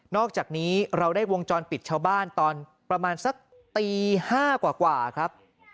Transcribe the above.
อกจากนี้เราได้วงจรปิดชาวบ้านตอนประมาณสักตี๕กว่าครับ